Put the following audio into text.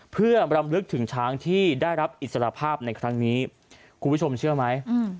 เพื่อรำลึกถึงช้างที่ได้รับอิสระภาพในครั้งนี้คุณผู้ชมเชื่อไหม